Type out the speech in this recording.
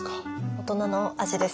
大人の味です。